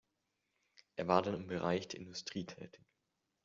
Er war dann im Bereich der Industrie tätig.